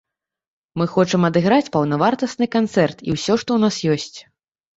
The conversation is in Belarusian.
Мы хочам адыграць паўнавартасны канцэрт і ўсё, што ў нас ёсць.